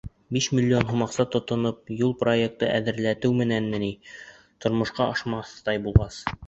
Биш миллион һум аҡса тотоноп, юл проектын әҙерләтеү менәнме ни, тормошҡа ашмаҫтай булғас?!